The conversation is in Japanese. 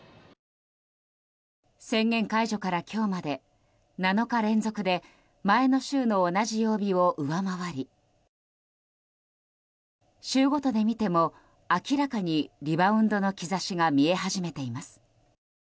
宣言解除から今日まで７日連続で前の週の同じ曜日を上回り週ごとで見ても明らかに、リバウンドの兆しが見え始めています。